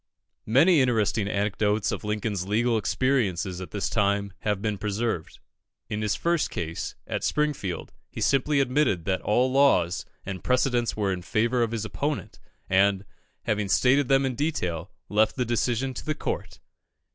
Many interesting anecdotes of Lincoln's legal experiences at this time have been preserved. In his first case, at Springfield, he simply admitted that all laws and precedents were in favour of his opponent, and, having stated them in detail, left the decision to the Court.